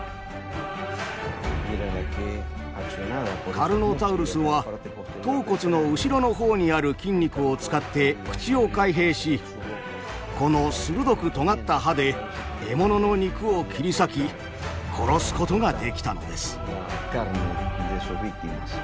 カルノタウルスは頭骨の後ろのほうにある筋肉を使って口を開閉しこの鋭くとがった歯で獲物の肉を切り裂き殺すことができたのです。